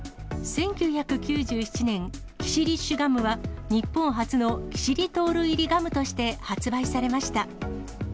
１９９７年、キシリッシュガムは、日本初のキシリトール入りガムとして発売されました。